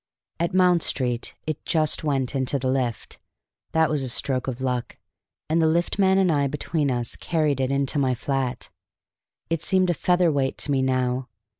At Mount Street it just went into the lift; that was a stroke of luck; and the lift man and I between us carried it into my flat. It seemed a featherweight to me now.